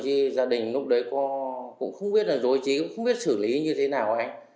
thì gia đình lúc đấy cũng không biết là rối trí cũng không biết xử lý như thế nào anh